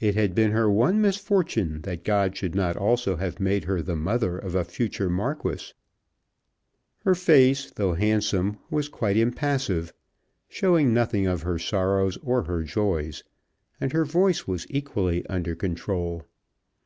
It had been her one misfortune that God should not also have made her the mother of a future Marquis. Her face, though handsome, was quite impassive, showing nothing of her sorrows or her joys; and her voice was equally under control.